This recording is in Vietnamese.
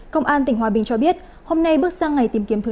công an tỉnh hòa bình cho biết hôm nay bước sang ngày tìm kiếm thứ năm